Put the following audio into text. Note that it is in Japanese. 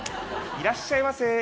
「いらっしゃいませ！」